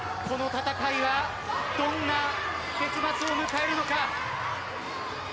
この戦いはどんな結末を迎えるのか。